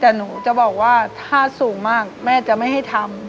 แต่หนูจะบอกว่าถ้าสูงมากแม่จะไม่ให้ทำ